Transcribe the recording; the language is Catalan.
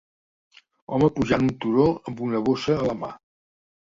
home pujant un turó amb una bossa a la mà